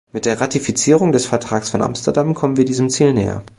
Mit der Ratifizierung des Vertrags von Amsterdam kommen wir diesem Ziel näher.